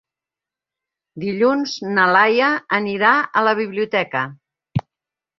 Dilluns na Laia anirà a la biblioteca.